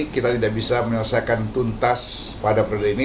kita tidak bisa menyelesaikan tuntas pada periode ini